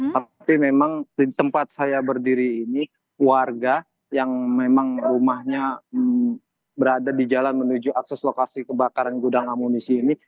tapi memang di tempat saya berdiri ini warga yang memang rumahnya berada di jalan menuju akses lokasi kebakaran gudang amunisi ini